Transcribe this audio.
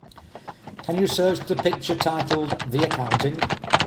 Can you search the picture titled The Accounting?